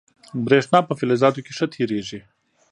برېښنا په فلزاتو کې ښه تېرېږي.